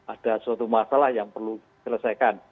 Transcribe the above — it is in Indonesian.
ada suatu masalah yang perlu diselesaikan